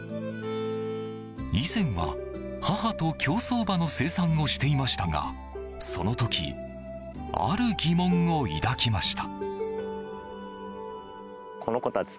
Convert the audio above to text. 以前は、母と競走馬の生産をしていましたがその時、ある疑問を抱きました。